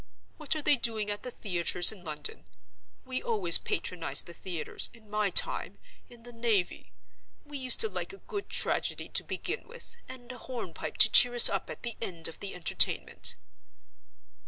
What are they doing at the theaters in London? We always patronized the theaters, in my time, in the Navy. We used to like a good tragedy to begin with, and a hornpipe to cheer us up at the end of the entertainment."